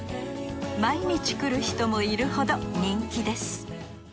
毎日来る人もいるほど人気です